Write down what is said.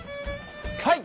はい！